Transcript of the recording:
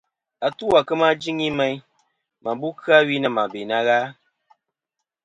Atu à kema jɨŋi meyn, mɨ bu kɨ-a wi na mɨ be na gha.